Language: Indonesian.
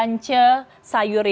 dan ce sayuri